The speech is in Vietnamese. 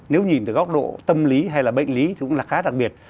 nếu nhìn từ góc độ tâm lý hay là bệnh lý thì cũng là khá đặc biệt